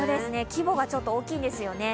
規模がちょっと大きいですよね。